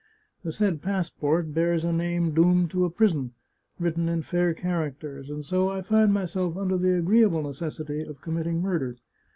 The said pass port bears a name doomed to a prison, written in fair char acters, and so I find myself under the agreeable necessity of committing murder.